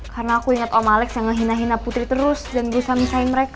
karena aku yang ngerusak